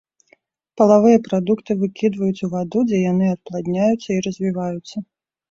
Палавыя прадукты выкідваюць у ваду, дзе яны апладняюцца і развіваюцца.